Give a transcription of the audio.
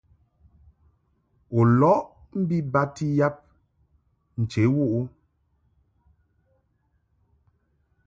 U lɔʼ mbi bati yab ghə wuʼ ɨ ?